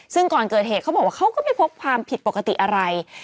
ซึ่งก่อนเกิดเหตุเขาบอกว่าเขาก็ไม่พบความผิดปกติอะไร